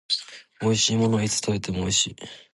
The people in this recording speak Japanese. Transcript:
美味しいものはいつ食べても美味しい